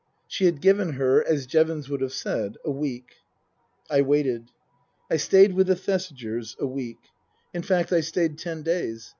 She had given her, as Jevons would have said, a week. I waited. I stayed with the Thesigers a week. In fact, I stayed ten days.